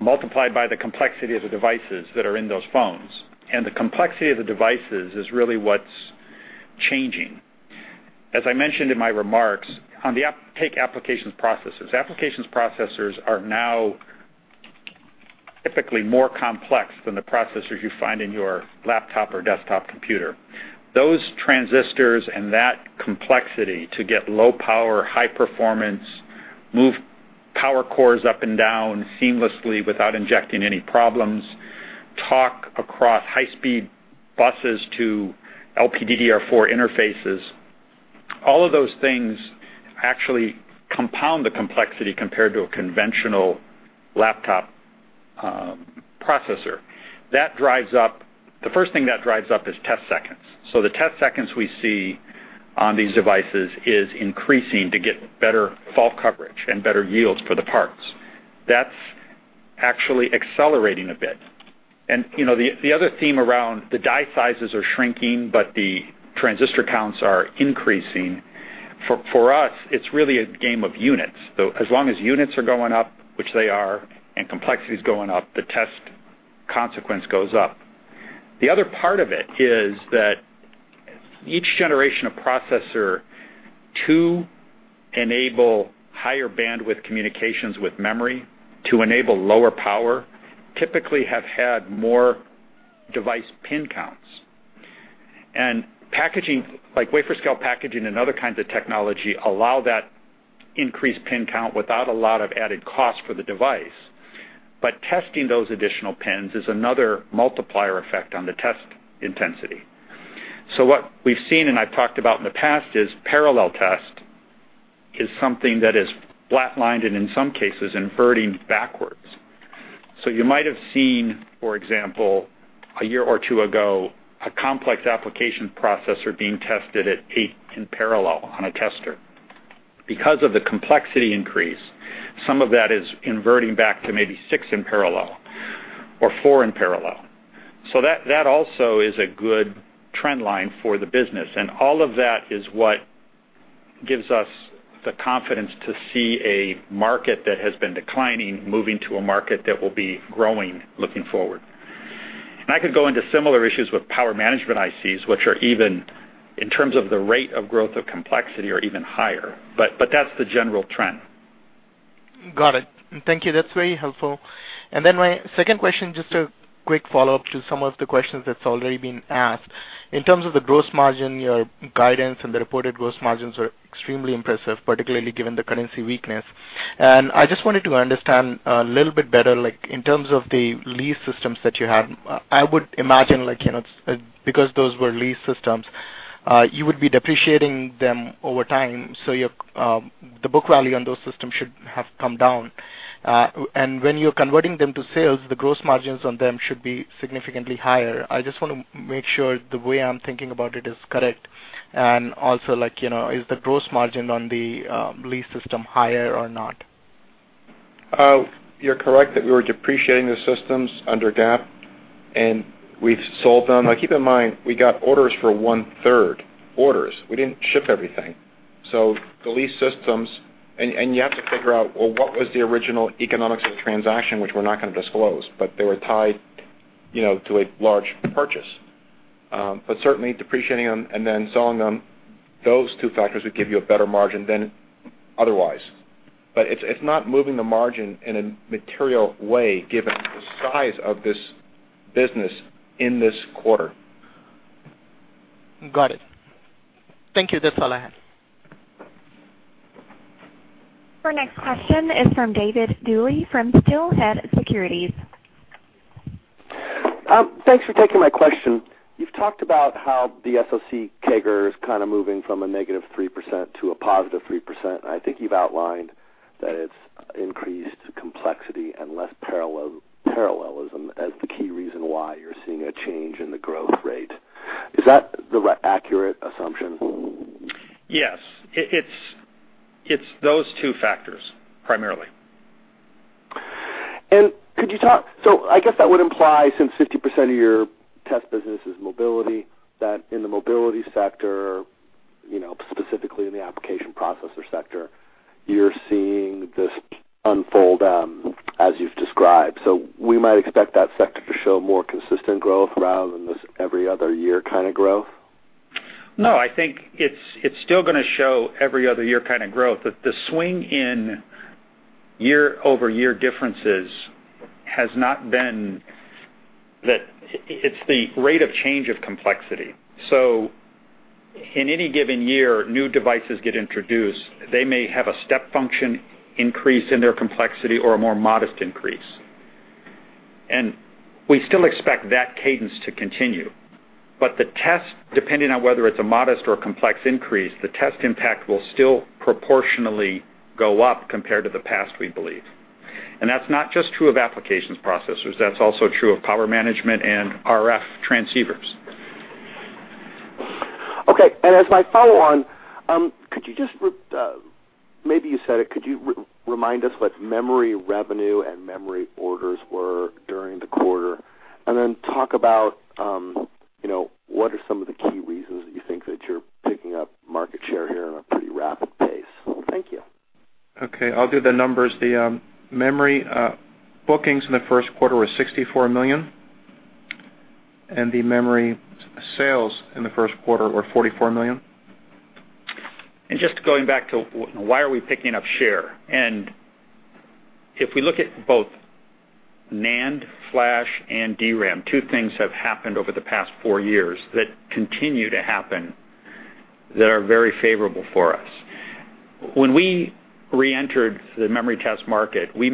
multiplied by the complexity of the devices that are in those phones, and the complexity of the devices is really what's changing. As I mentioned in my remarks, take applications processors. Applications processors are now typically more complex than the processors you find in your laptop or desktop computer. Those transistors and that complexity to get low power, high performance, move power cores up and down seamlessly without injecting any problems, talk across high-speed buses to LPDDR4 interfaces. All of those things actually compound the complexity compared to a conventional laptop processor. The first thing that drives up is test seconds. The test seconds we see on these devices is increasing to get better fault coverage and better yields for the parts. That's actually accelerating a bit. The other theme around the die sizes are shrinking, but the transistor counts are increasing. For us, it's really a game of units. As long as units are going up, which they are, and complexity's going up, the test consequence goes up. The other part of it is that each generation of processor to enable higher bandwidth communications with memory, to enable lower power, typically have had more device pin counts. Packaging, like wafer-scale packaging and other kinds of technology, allow that increased pin count without a lot of added cost for the device. Testing those additional pins is another multiplier effect on the test intensity. What we've seen, and I've talked about in the past, is parallel test is something that is flat-lined and, in some cases, inverting backwards. You might have seen, for example, a year or two ago, a complex application processor being tested at eight in parallel on a tester. Because of the complexity increase, some of that is inverting back to maybe six in parallel or four in parallel. That also is a good trend line for the business, and all of that is what gives us the confidence to see a market that has been declining, moving to a market that will be growing looking forward. I could go into similar issues with power management ICs, which are even, in terms of the rate of growth of complexity, are even higher. That's the general trend. Got it. Thank you. That's very helpful. Then my second question, just a quick follow-up to some of the questions that's already been asked. In terms of the gross margin, your guidance and the reported gross margins are extremely impressive, particularly given the currency weakness. I just wanted to understand a little bit better, in terms of the lease systems that you have, I would imagine, because those were lease systems, you would be depreciating them over time, so the book value on those systems should have come down. When you're converting them to sales, the gross margins on them should be significantly higher. I just want to make sure the way I'm thinking about it is correct, and also, is the gross margin on the lease system higher or not? You're correct that we were depreciating the systems under GAAP, and we've sold them. Now keep in mind, we got orders for one-third. Orders. We didn't ship everything. The lease systems, and you have to figure out, well, what was the original economics of the transaction, which we're not going to disclose, but they were tied to a large purchase. Certainly depreciating them and then selling them, those two factors would give you a better margin than otherwise. It's not moving the margin in a material way given the size of this business in this quarter. Got it. Thank you. That's all I had. Our next question is from David Duley from Steelhead Securities. Thanks for taking my question. You've talked about how the SOC CAGR is kind of moving from a negative 3% to a positive 3%, and I think you've outlined that it's increased complexity and less parallelism as the key reason why you're seeing a change in the growth rate. Is that the accurate assumption? Yes. It's those two factors, primarily. Could you talk, so I guess that would imply, since 50% of your test business is mobility, that in the mobility sector, specifically in the application processor sector, you're seeing this unfold as you've described. We might expect that sector to show more consistent growth rather than this every other year kind of growth? No, I think it's still going to show every other year kind of growth. The swing in year-over-year differences has not been that it's the rate of change of complexity. In any given year, new devices get introduced. They may have a step function increase in their complexity or a more modest increase. We still expect that cadence to continue. The test, depending on whether it's a modest or a complex increase, the test impact will still proportionally go up compared to the past, we believe. That's not just true of applications processors, that's also true of power management and RF transceivers. Okay. As my follow-on, could you just, maybe you said it, could you remind us what memory revenue and memory orders were during the quarter? Talk about what are some of the key reasons that you think that you're picking up market share here at a pretty rapid pace. Thank you. Okay, I'll do the numbers. The memory bookings in the first quarter were $64 million, and the memory sales in the first quarter were $44 million. Just going back to why are we picking up share? If we look at both NAND flash and DRAM, two things have happened over the past four years that continue to happen that are very favorable for us. When we reentered the memory test market, we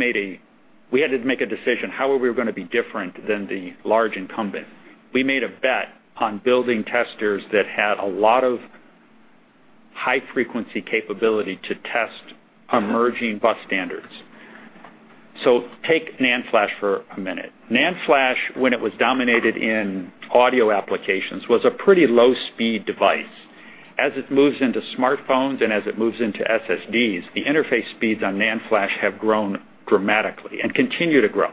had to make a decision, how were we going to be different than the large incumbent? We made a bet on building testers that had a lot of high-frequency capability to test emerging bus standards. Take NAND flash for a minute. NAND flash, when it was dominated in audio applications, was a pretty low-speed device. As it moves into smartphones and as it moves into SSDs, the interface speeds on NAND flash have grown dramatically and continue to grow,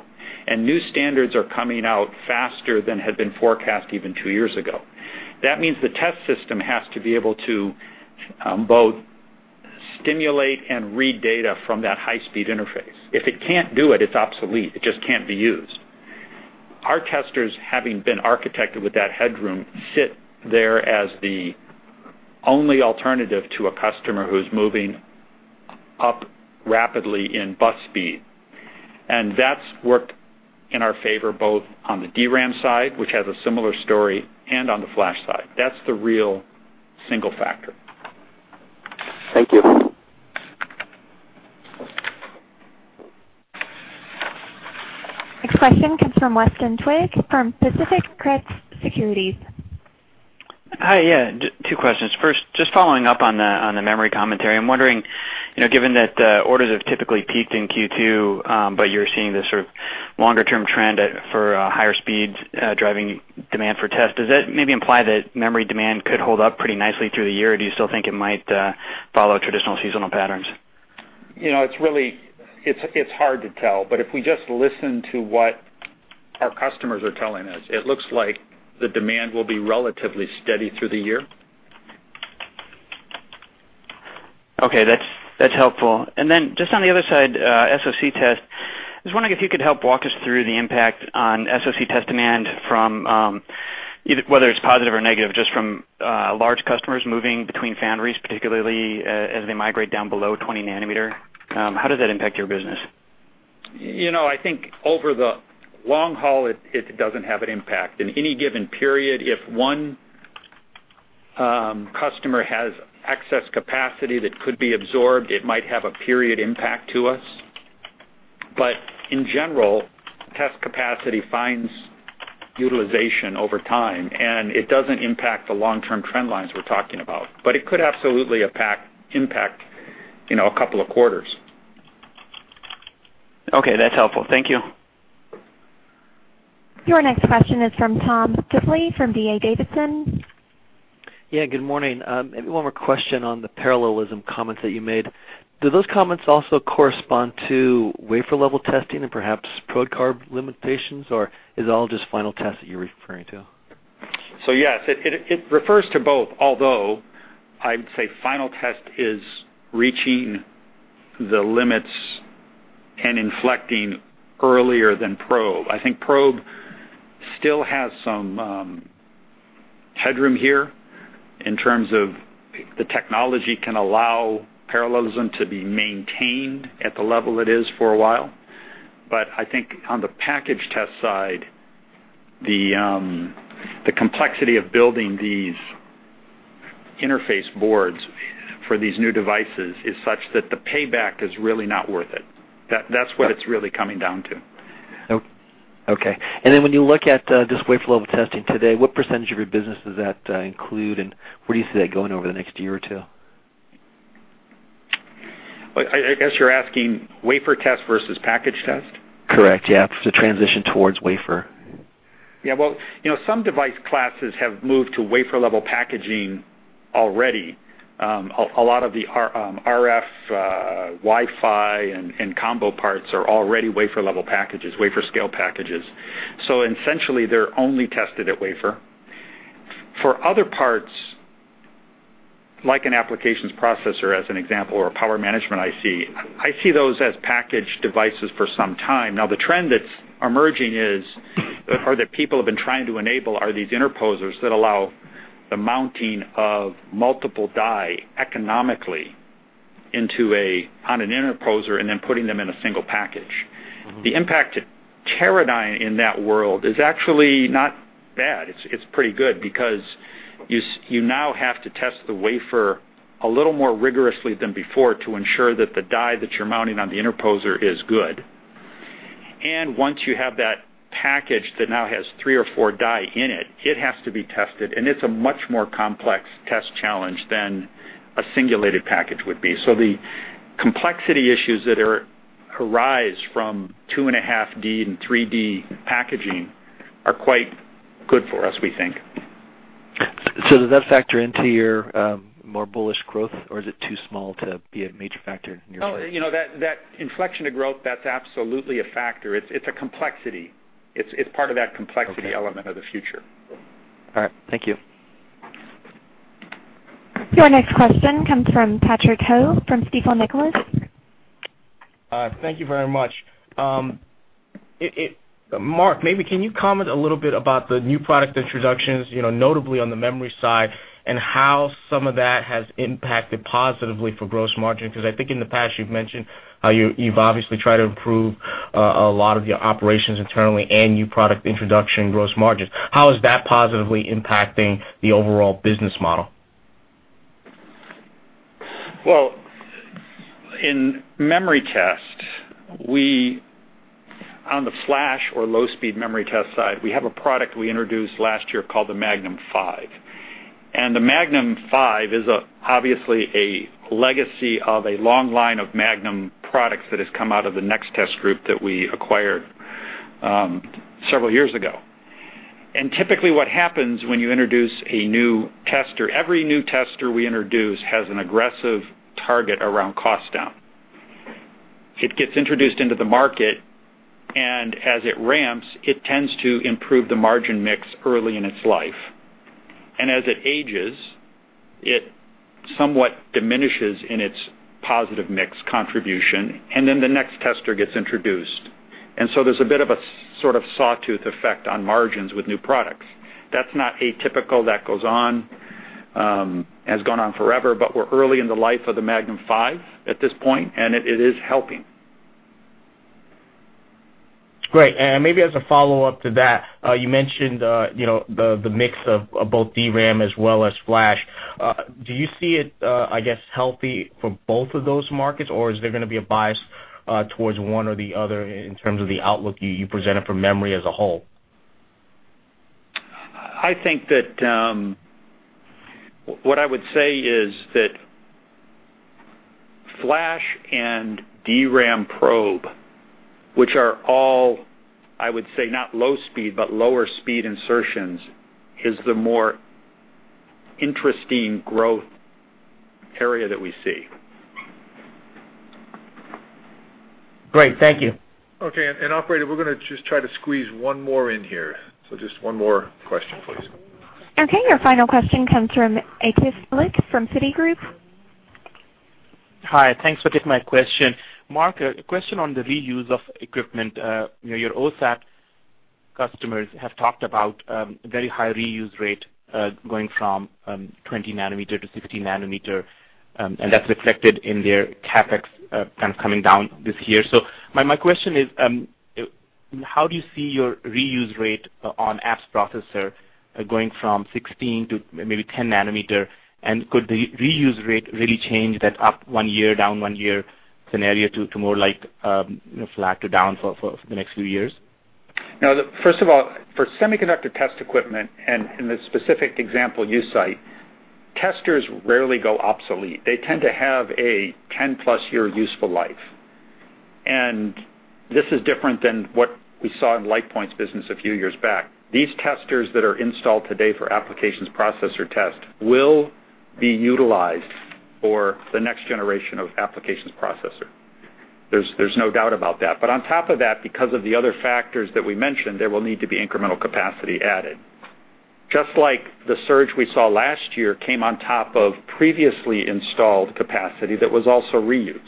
and new standards are coming out faster than had been forecast even two years ago. That means the test system has to be able to both stimulate and read data from that high-speed interface. If it can't do it's obsolete. It just can't be used. Our testers, having been architected with that headroom, sit there as the only alternative to a customer who's moving up rapidly in bus speed. That's worked in our favor both on the DRAM side, which has a similar story, and on the FLASH side. That's the real single factor. Thank you. Next question comes from Weston Twigg from Pacific Crest Securities. Hi. Yeah, two questions. First, just following up on the memory commentary. I'm wondering, given that orders have typically peaked in Q2, you're seeing this sort of longer-term trend for higher speeds driving demand for test, does that maybe imply that memory demand could hold up pretty nicely through the year? Do you still think it might follow traditional seasonal patterns? It's hard to tell, but if we just listen to what our customers are telling us, it looks like the demand will be relatively steady through the year. Okay. That's helpful. Then just on the other side, SOC Test. I was wondering if you could help walk us through the impact on SOC Test demand from, whether it's positive or negative, just from large customers moving between foundries, particularly as they migrate down below 20 nanometer. How does that impact your business? I think over the long haul, it doesn't have an impact. In any given period, if one customer has excess capacity that could be absorbed, it might have a period impact to us. In general, test capacity finds utilization over time, and it doesn't impact the long-term trend lines we're talking about. It could absolutely impact a couple of quarters. Okay. That's helpful. Thank you. Your next question is from Tom Diffely from D.A. Davidson. Yeah, good morning. Maybe one more question on the parallelism comments that you made. Do those comments also correspond to wafer level testing and perhaps probe card limitations, or is it all just final test that you're referring to? Yes, it refers to both, although I'd say final test is reaching the limits and inflecting earlier than probe. I think probe still has some headroom here in terms of the technology can allow parallelism to be maintained at the level it is for a while. I think on the package test side, the complexity of building these interface boards for these new devices is such that the payback is really not worth it. That's what it's really coming down to. Okay. When you look at just wafer level testing today, what percentage of your business does that include, and where do you see that going over the next year or two? I guess you're asking wafer test versus package test? Correct. Yeah. The transition towards wafer. Yeah. Well, some device classes have moved to wafer level packaging already. A lot of the RF, Wi-Fi, and combo parts are already wafer level packages, wafer scale packages. Essentially, they're only tested at wafer. For other parts, like an applications processor, as an example, or a power management IC, I see those as package devices for some time. Now, the trend that's emerging is, or that people have been trying to enable are these interposers that allow the mounting of multiple die economically on an interposer and then putting them in a single package. The impact to Teradyne in that world is actually not bad. It's pretty good because you now have to test the wafer a little more rigorously than before to ensure that the die that you're mounting on the interposer is good. Once you have that package that now has three or four die in it has to be tested, and it's a much more complex test challenge than a singulated package would be. The complexity issues that arise from two and a half D and 3D packaging are quite good for us, we think. Does that factor into your more bullish growth, or is it too small to be a major factor in your growth? No, that inflection of growth, that's absolutely a factor. It's a complexity. It's part of that complexity element of the future. All right. Thank you. Your next question comes from Patrick Ho from Stifel Nicolaus. Thank you very much. Mark, maybe can you comment a little bit about the new product introductions, notably on the memory side, and how some of that has impacted positively for gross margin? I think in the past you've mentioned how you've obviously tried to improve a lot of your operations internally and new product introduction gross margins. How is that positively impacting the overall business model? Well, in memory test, on the flash or low-speed memory test side, we have a product we introduced last year called the Magnum V. The Magnum V is obviously a legacy of a long line of Magnum products that has come out of the Nextest group that we acquired several years ago. Typically what happens when you introduce a new tester, every new tester we introduce has an aggressive target around cost down. It gets introduced into the market, and as it ramps, it tends to improve the margin mix early in its life. As it ages, it somewhat diminishes in its positive mix contribution, then the next tester gets introduced. So there's a bit of a sort of sawtooth effect on margins with new products. That's not atypical. That goes on, has gone on forever, but we're early in the life of the Magnum V at this point, and it is helping. Great. Maybe as a follow-up to that, you mentioned the mix of both DRAM as well as flash. Do you see it, I guess, healthy for both of those markets, or is there going to be a bias towards one or the other in terms of the outlook you presented for memory as a whole? I think that what I would say is that FLASH and DRAM probe, which are all, I would say, not low speed, but lower speed insertions, is the more interesting growth area that we see. Great. Thank you. Okay. Operator, we're going to just try to squeeze one more in here. Just one more question, please. Okay, your final question comes from Atif Malik from Citigroup. Hi. Thanks for taking my question. Mark, a question on the reuse of equipment. Your OSAT customers have talked about very high reuse rate, going from 20-nanometer to 16-nanometer, and that's reflected in their CapEx kind of coming down this year. My question is, how do you see your reuse rate on apps processor going from 16-nanometer to maybe 10-nanometer, and could the reuse rate really change that up one year, down one year scenario to more like flat to down for the next few years? First of all, for semiconductor test equipment, and in the specific example you cite, testers rarely go obsolete. They tend to have a 10-plus year useful life. This is different than what we saw in LitePoint's business a few years back. These testers that are installed today for applications processor test will be utilized for the next generation of applications processor. There's no doubt about that. On top of that, because of the other factors that we mentioned, there will need to be incremental capacity added. Just like the surge we saw last year came on top of previously installed capacity that was also reused.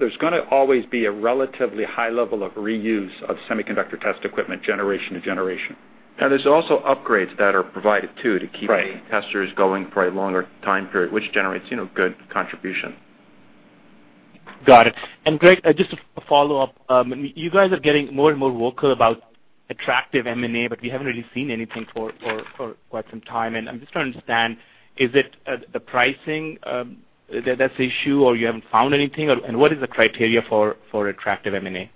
There's going to always be a relatively high level of reuse of semiconductor test equipment generation to generation. There's also upgrades that are provided, too- Right to keep the testers going for a longer time period, which generates good contribution. Got it. Greg, just a follow-up. You guys are getting more and more vocal about attractive M&A, but we haven't really seen anything for quite some time, and I'm just trying to understand, is it the pricing that's the issue, or you haven't found anything, and what is the criteria for attractive M&A?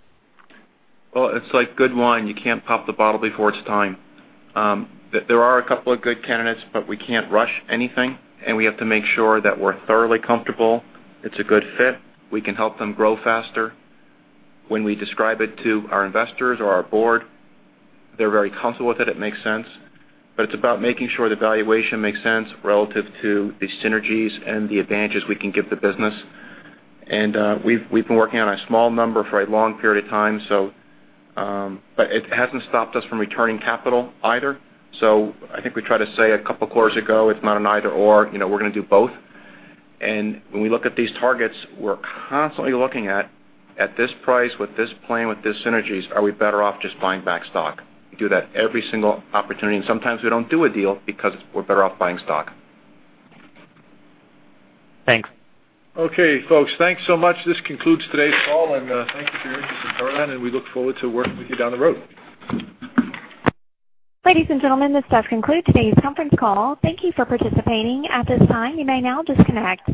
Well, it's like good wine. You can't pop the bottle before it's time. There are a couple of good candidates, but we can't rush anything, and we have to make sure that we're thoroughly comfortable, it's a good fit, we can help them grow faster. When we describe it to our investors or our board, they're very comfortable with it makes sense. It's about making sure the valuation makes sense relative to the synergies and the advantages we can give the business. We've been working on a small number for a long period of time, but it hasn't stopped us from returning capital either. I think we tried to say a couple of quarters ago, it's not an either/or, we're going to do both. When we look at these targets, we're constantly looking at this price, with this plan, with these synergies, are we better off just buying back stock? We do that every single opportunity, and sometimes we don't do a deal because we're better off buying stock. Thanks. Okay, folks, thanks so much. This concludes today's call, and thank you for your interest in Teradyne, and we look forward to working with you down the road. Ladies and gentlemen, this does conclude today's conference call. Thank you for participating. At this time, you may now disconnect.